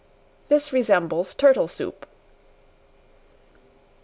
This resembles turtle soup.